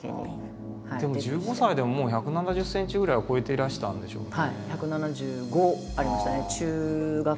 １５歳でももう１７０ｃｍぐらいは超えていらしたんでしょうね。